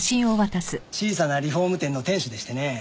小さなリフォーム店の店主でしてね。